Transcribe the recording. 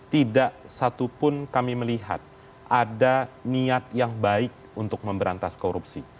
tidak satupun kami melihat ada niat yang baik untuk memberantas korupsi